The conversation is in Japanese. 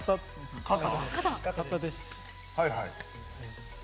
肩です。